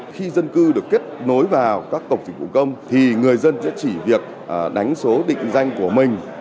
khi dân cư được kết nối vào các cổng dịch vụ công thì người dân sẽ chỉ việc đánh số định danh của mình